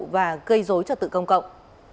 và gây dối trật tự công cộng